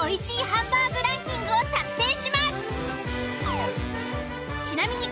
ハンバーグランキングを作成します。